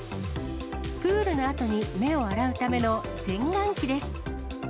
プールのあとに目を洗うための洗眼器です。